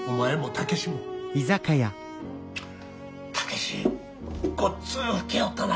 武志ごっつ老けよったな。